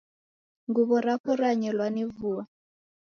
Nguw'o rapo ranyelwa nimvua